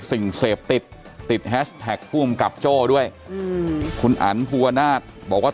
สิ่งเสพติดติดแฮชแท็กภูมิกับโจ้ด้วยอืมคุณอันภูวนาศบอกว่า